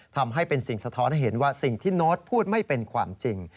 ทำให้เป็นสิ่งสะท้อนให้เห็นว่าสิ่งที่โน้ตพูดไม่เป็นความจริง